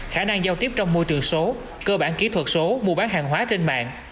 khả năng giao tiếp trong môi trường số cơ bản kỹ thuật số mua bán hàng hóa trên mạng